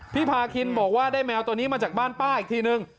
พาคินบอกว่าได้แมวตัวนี้มาจากบ้านป้าอีกทีนึง